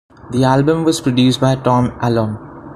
The album was produced by Tom Allom.